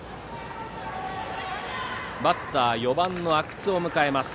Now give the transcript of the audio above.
バッターは４番の阿久津を迎えます。